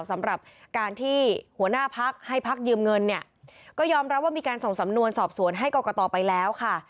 สำหรับการที่หัวหน้าพักให้พักยืมเงินเนี่ยก็ยอมรับว่ามีการส่งสำนวนสอบสวนให้กรกตไปแล้วค่ะ